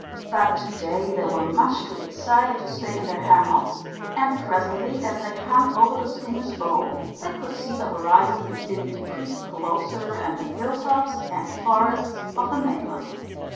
But to day they were much too excited to stay in their hammocks; and presently, as they hung over the schooner's bow, they could see the horizon beginning to creep closer, and the hill tops and forests of the mainland.